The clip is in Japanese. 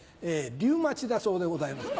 リュウマチだそうでございます。